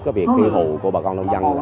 cái việc khuy hụ của bà con nông dân